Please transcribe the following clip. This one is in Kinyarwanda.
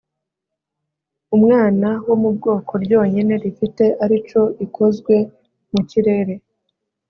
umwana wo mu bwoko ryonyine rifite arico ikozwe mu kirere